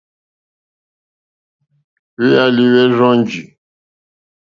Hwéálí hwɛ́ rzɔ́njì.